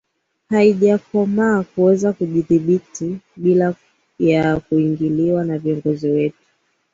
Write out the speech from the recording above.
haijakomaa kuweza kujidhibiti bila ya kuingiliwa na viongozi wetu